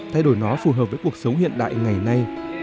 thay đổi nó phù hợp với cuộc sống hiện đại ngày nay